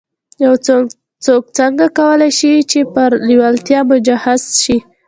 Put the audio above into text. يو څوک څنګه کولای شي چې پر لېوالتیا مجهز شي.